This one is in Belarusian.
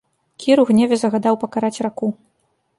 Кір у гневе загадаў пакараць раку.